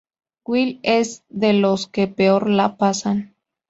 Will es de los que peor lo pasan.